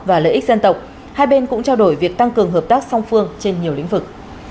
và lợi ích dân tộc hai bên cũng trao đổi việc tăng cường hợp tác song phương trên nhiều lĩnh vực